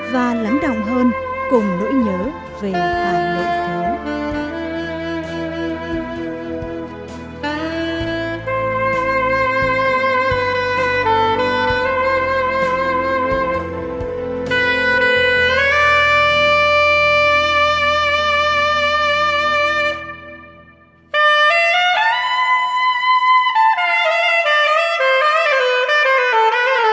và lãng đồng hơn cùng nỗi nhớ về hai nữ sứ